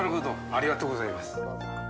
ありがとうございます。